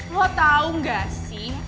lo tau gak sih